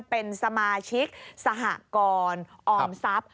เป็นสมาชิกสหกรออมทรัพย์